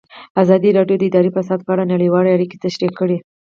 ازادي راډیو د اداري فساد په اړه نړیوالې اړیکې تشریح کړي.